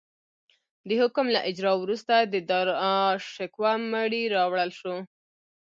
د حکم له اجرا وروسته د داراشکوه مړی راوړل شو.